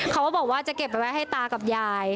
เขาก็บอกว่าจะเก็บไปไว้ให้ตากับยาย